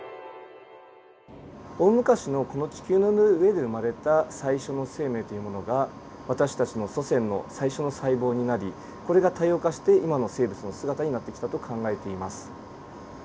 大昔のこの地球の上で生まれた最初の生命というものが私たちの祖先の最初の細胞になりこれが多様化して今の生物の姿になってきたと考えています。